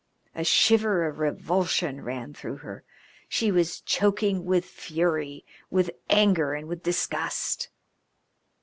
A shiver of revulsion ran through her. She was choking with fury, with anger and with disgust.